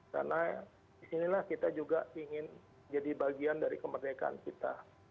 karena disinilah kita juga ingin jadi bagian dari kemerdekaan kita